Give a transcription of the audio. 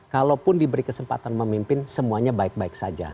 kalaupun diberi kesempatan memimpin semuanya baik baik saja